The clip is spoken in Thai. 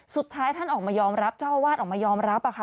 สุดท้ายท่านออกมายอมรับเจ้าอาวาสออกมายอมรับ